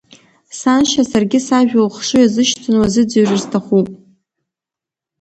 Саншьа, саргьы сажәа ухшыҩ азышьҭны уазыӡырҩыр сҭахуп.